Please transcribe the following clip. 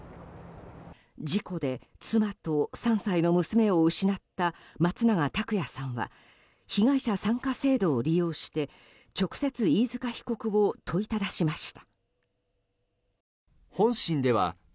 事故で妻と３歳の娘を失った松永拓也さんは被害者参加制度を利用して直接飯塚被告を問いただしました。